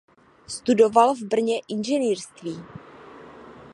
Studoval v Brně inženýrství.